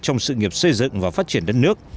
trong sự nghiệp xây dựng và phát triển đất nước